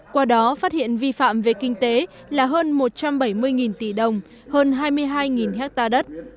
qua đó phát hiện vi phạm về kinh tế là hơn một trăm bảy mươi tỷ đồng hơn hai mươi hai hectare đất